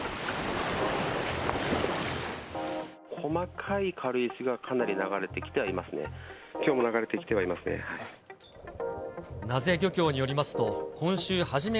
細かい軽石がかなり流れてきてはいますね。